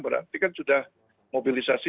berarti kan sudah mobilisasi